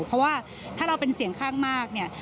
เพราะว่าถ้าเราเป็นเสียงข้างมากเนี่ย